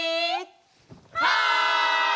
はい！